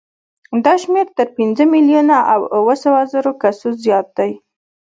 دا شمېر تر پنځه میلیونه او اوه سوه زرو کسو زیات دی.